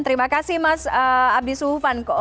terima kasih mas abdi suhufan